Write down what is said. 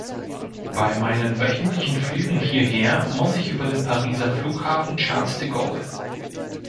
Bei meinen wöchentlichen Flügen hierher muss ich über den Pariser Flughafen Charles de Gaulle.